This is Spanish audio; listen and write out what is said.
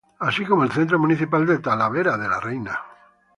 Así como el Centro Municipal de Talavera de la Reina.